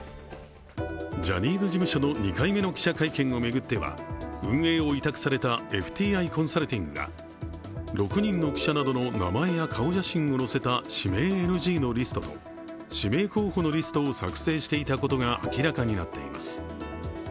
ジャニーズ事務所の２回目の記者会見を巡っては運営を委託されたＦＴＩコンサルティングが６人の記者などの名前や顔写真を載せた指名ＮＧのリストと、指名候補のリストを作成していたことが明らかになっています。